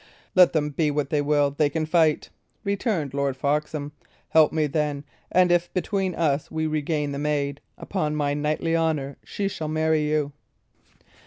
"Let them be what they will, they can fight," returned Lord Foxham. "Help me, then; and if between us we regain the maid, upon my knightly honour, she shall marry you!"